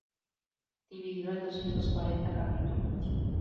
Dividido en doscientos cuarenta capítulos.